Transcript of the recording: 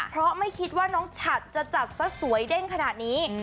เพราะไม่คิดว่าน้องฉัดจะจัดซะสวยเด้งขนาดนี้